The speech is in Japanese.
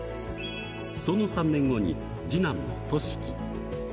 その３年後に次男の隼輝。